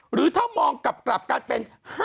๑๕หรือถ้ามองกลับกลับกันเป็น๕๑